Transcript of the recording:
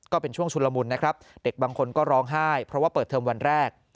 ก็เป็นช่วงชุลมุนนะครับเด็กบางคนก็ร้องไห้เพราะว่าเปิดเทอมวันแรก